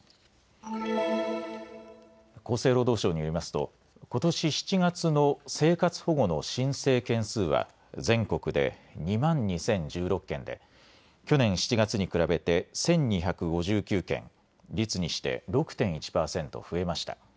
厚生労働省によりますとことし７月の生活保護の申請件数は全国で２万２０１６件で去年７月に比べて１２５９件、率にして６．１％増えました。